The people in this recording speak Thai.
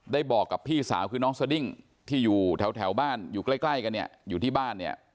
บอกกับพี่สาวคือน้องสดิ้งที่อยู่แถวบ้านอยู่ใกล้กันเนี่ยอยู่ที่บ้านเนี่ย